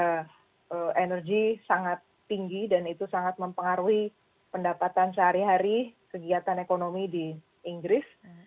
harga energi sangat tinggi dan itu sangat mempengaruhi pendapatan sehari hari kegiatan ekonomi di inggris